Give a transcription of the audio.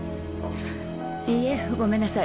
いいえごめんなさい。